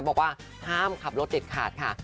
บอกว่าห้ามขับรถเด็ดขาดค่ะ